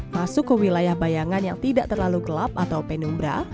masuk ke wilayah bayangan yang tidak terlalu gelap atau penumbra